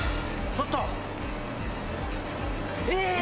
ちょっとええっ！